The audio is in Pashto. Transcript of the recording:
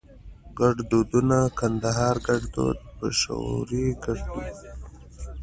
ګړدودونه کندهاري ګړدود پېښوري ګړدود